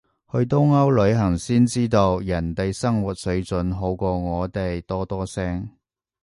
去東歐旅行先知道，人哋生活水準好過我哋多多聲